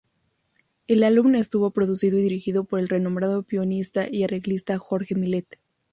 El álbum estuvo producido y dirigido por el renombrado pianista y arreglista Jorge Millet.